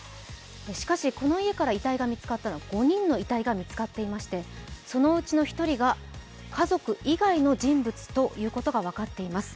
しかし、この家からは５人の遺体が見つかっていましてそのうちの１人が家族以外の人物ということが分かっています。